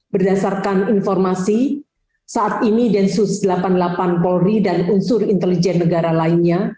berdasarkan informasi saat ini densus delapan puluh delapan polri dan unsur intelijen negara lainnya